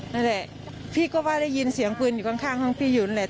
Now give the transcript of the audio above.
นั่นแหละพี่ก็ว่าได้ยินเสียงปืนอยู่ข้างห้องพี่อยู่นั่นแหละ